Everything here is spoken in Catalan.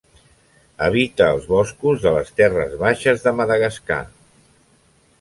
Habita els boscos de les terres baixes de Madagascar.